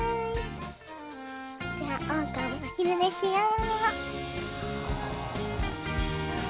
じゃおうかもおひるねしよう。